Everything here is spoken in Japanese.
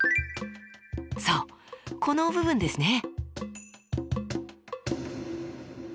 そうこの部分ですね。